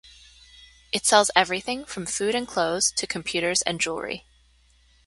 It sells everything from food and clothes to computers and jewellery.